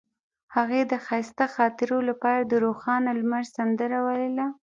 هغې د ښایسته خاطرو لپاره د روښانه لمر سندره ویله.